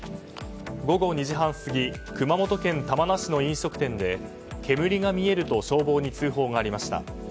午後２時半過ぎ熊本県玉名市の飲食店で煙が見えると消防に通報がありました。